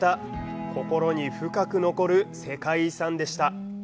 心に深く残る世界遺産でした。